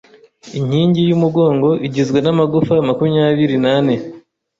Inkingi yumugongo igizwe namagufa makumyabiri nane.